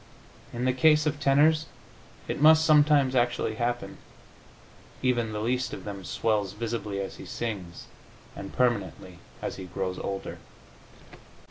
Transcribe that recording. In the case of tenors it must sometimes actually happen; even the least of them swells visibly as he sings, and permanently as he grows older....